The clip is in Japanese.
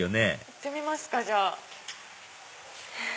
行ってみますかじゃあ。